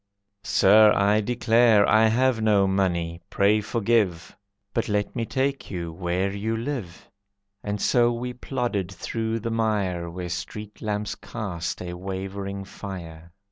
"Sir, I declare I have no money, pray forgive, But let me take you where you live." And so we plodded through the mire Where street lamps cast a wavering fire.